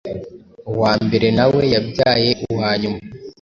Uwambere nawe yabyaye uwanyuma.